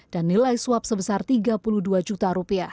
dan nilai suap sebesar rp tiga puluh dua juta